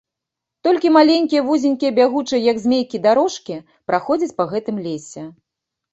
Толькі маленькія, вузенькія, бягучыя, як змейкі, дарожкі праходзяць па гэтым лесе.